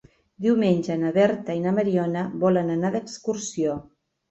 Diumenge na Berta i na Mariona volen anar d'excursió.